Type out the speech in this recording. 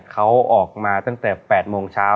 เขาออกมาตั้งแต่๘โมงเช้า